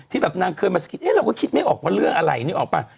แบบนางเคยมาสกิดเอ๊ะเราก็คิดไม่ออกว่าเรื่องอะไรนึกออกป่ะ